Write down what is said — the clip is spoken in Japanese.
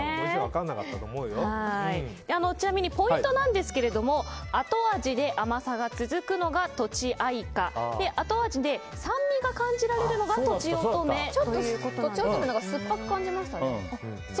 ちなみにポイントなんですが後味で甘さが続くのがとちあいか後味で酸味が感じられるのがとちおとめということでちょっと、とちおとめのほうが酸っぱく感じましたね。